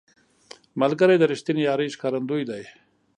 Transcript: ملګری د رښتینې یارۍ ښکارندوی دی